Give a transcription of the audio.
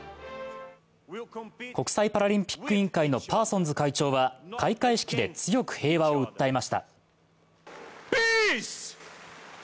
国際パラリンピック委員会のパーソンズ会長は開会式で強く平和を訴えました。